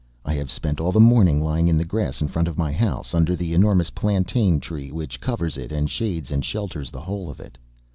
I have spent all the morning lying in the grass in front of my house, under the enormous plantain tree which covers it, and shades and shelters the whole of it.